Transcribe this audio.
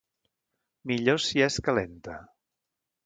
millor si és calenta